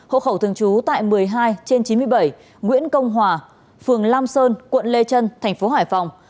hộ khẩu thường trú tại một mươi hai trên chín mươi bảy nguyễn công hòa phường lam sơn quận lê trân thành phố hải phòng